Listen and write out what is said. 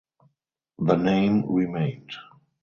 The name remained.